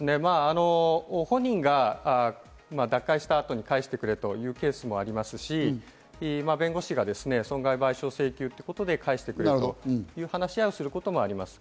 本人が脱会した後に返してくれというケースもありますし、弁護士が損害賠償請求ということで返してくれという話し合いをすることもあります。